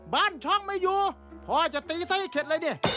บ้านช่องไม่อยู่พ่อจะตีซะให้เข็ดเลยดิ